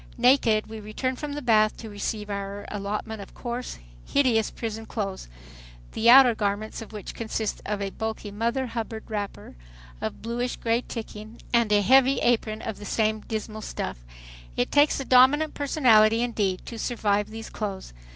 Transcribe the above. Naked, we return from the bath to receive our allotment of coarse, hideous prison clothes, the outer garments of which consist of a bulky mother hubbard wrapper, of bluish gray ticking and a heavy apron of the same dismal stuff. It takes a dominant personality indeed to survive these clothes.